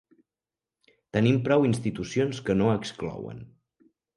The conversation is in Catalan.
Tenim prou institucions que no exclouen.